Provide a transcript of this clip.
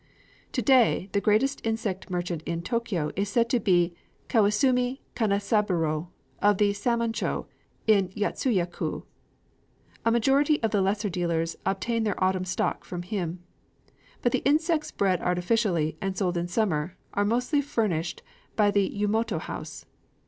To day the greatest insect merchant in Tōkyō is said to be Kawasumi Kanésaburō, of Samon chō in Yotsuya ku. A majority of the lesser dealers obtain their autumn stock from him. But the insects bred artificially, and sold in summer, are mostly furnished by the Yumoto house.